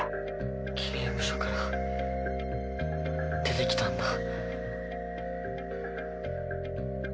刑務所から出てきたんだ。